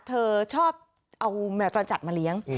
เธอชอบเอาแมวจรจัดมาเลี้ยง